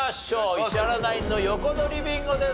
石原ナインの横取りビンゴです。